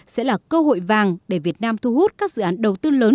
sẽ là cơ hội vàng để việt nam thu hút các dự án đầu tư lớn